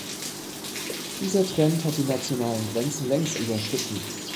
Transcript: Dieser Trend hat die nationalen Grenzen längst überschritten.